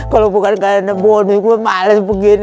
kalau bukan karena bodoh gue malah begini